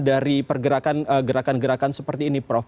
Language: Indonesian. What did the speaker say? dari pergerakan gerakan gerakan seperti ini prof